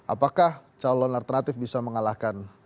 apakah calon alternatif bisa mengalahkan